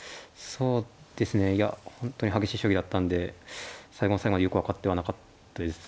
そうですねいや本当に激しい将棋だったんで最後の最後までよく分かってはなかったです。